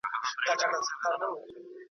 له لګېدلو سره توپیر وسي .